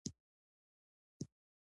د لاتیني امریکا خلک یې خوښوي.